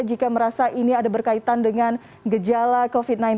jika merasa ini ada berkaitan dengan gejala covid sembilan belas